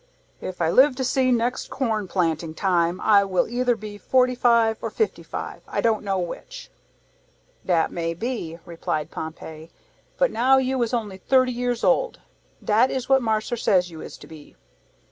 "If I live to see next corn planting time I will either be forty five or fifty five, I don't know which." "Dat may be," replied Pompey; "But now you is only thirty years old; dat is what marser says you is to be."